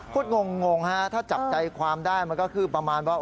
งงฮะถ้าจับใจความได้มันก็คือประมาณว่า